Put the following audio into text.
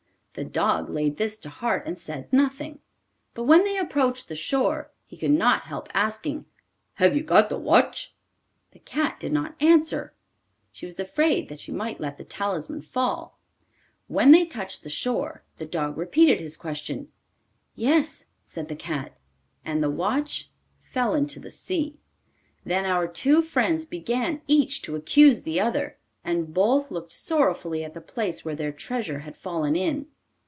The dog laid this to heart and said nothing; but when they approached the shore he could not help asking, 'Have you got the watch?' The cat did not answer he was afraid that he might let the talisman fall. When they touched the shore the dog repeated his question. 'Yes,' said the cat. And the watch fell into the sea. Then our two friends began each to accuse the other, and both looked sorrowfully at the place where their treasure had fallen in.